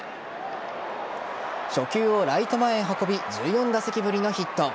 初球をライト前へ運び１４打席ぶりのヒット。